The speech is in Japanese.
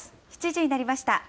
７時になりました。